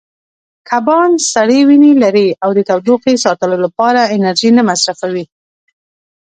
کبان سړې وینې لري او د تودوخې ساتلو لپاره انرژي نه مصرفوي.